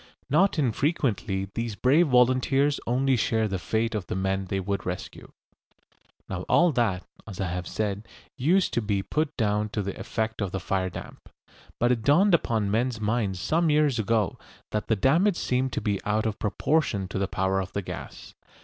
Not infrequently these brave volunteers only share the fate of the men they would rescue. Now all that, as I have said, used to be put down to the effect of the fire damp. But it dawned upon men's minds some years ago that the damage seemed to be out of proportion to the power of the gas.